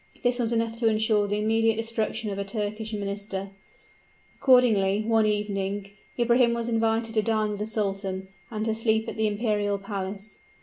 This was enough to insure the immediate destruction of a Turkish minister. Accordingly, one evening, Ibrahim was invited to dine with the sultan, and to sleep at the imperial palace.